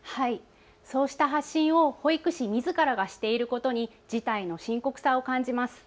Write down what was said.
そうした発信を保育士みずからがしていることに事態の深刻さを感じます。